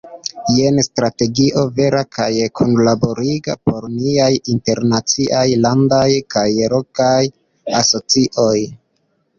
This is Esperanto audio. Jen strategio, vera kaj kunlaboriga, por niaj internaciaj, landaj kaj lokaj asocioj.